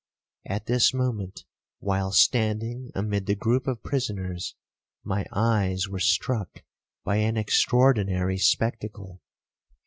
At this moment, while standing amid the groupe of prisoners, my eyes were struck by an extraordinary spectacle.